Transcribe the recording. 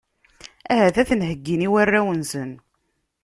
Ahat ad ten-heyyin i warraw-nsen.